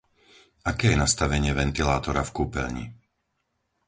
Aké je nastavenie ventilátora v kúpeľni?